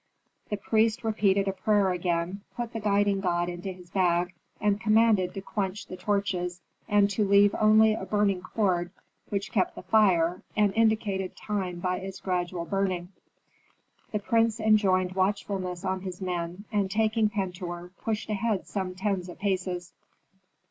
The priest repeated a prayer again, put the guiding god into his bag, and commanded to quench the torches, and to leave only a burning cord which kept the fire, and indicated time by its gradual burning. The prince enjoined watchfulness on his men, and taking Pentuer, pushed ahead some tens of paces.